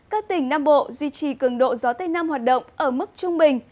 các tỉnh nam bộ duy trì cường độ gió tây nam hoạt động ở mức trung bình